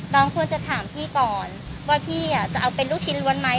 น้องควรจะถามพี่ก่อนว่าพี่จะเอาเป็นลูกชิ้นล้วนไหม